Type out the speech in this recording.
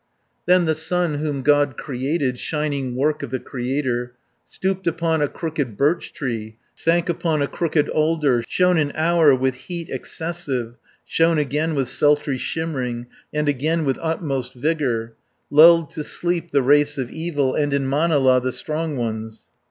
Then the sun whom God created, Shining work of the Creator, Stooped upon a crooked birch tree, Sank upon a crooked alder, Shone an hour with heat excessive, Shone again with sultry shimmering, And again with utmost vigour, Lulled to sleep the race of evil, 230 And in Manala the strong ones.